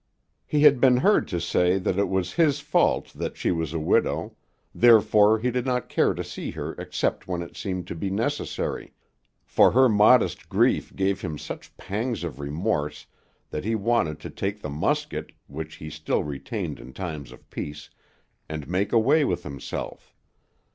He had been heard to say that it was his fault that she was a widow; therefore he did not care to see her except when it seemed to be necessary, for her modest grief gave him such pangs of remorse that he wanted to take the musket, which he still retained in times of peace, and make away with himself.